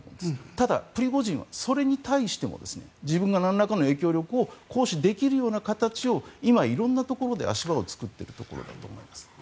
ただ、プリゴジンはそれに対しても自分がなんらかの影響力を行使できるような形を今、色んなところで足場を作っているところだと思います。